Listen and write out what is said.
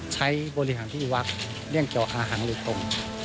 ใช้บริหารที่หวัดเลี่ยงเกี่ยวอาหารลูกตรง